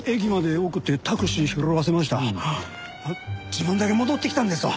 自分だけ戻ってきたんですわ。